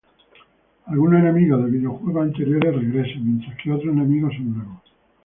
Algunos enemigos de videojuegos anteriores regresan, mientras que otros enemigos son nuevos.